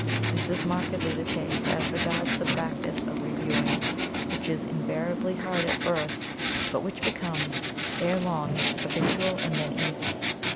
This is markedly the case as regards the practice of reviewing, which is invariably hard at first, but which becomes ere long habitual and then easy.